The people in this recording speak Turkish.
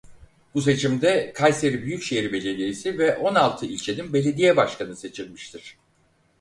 Bu seçimde Kayseri Büyükşehir Belediyesi ve on altı ilçenin Belediye Başkanı seçilmiştir.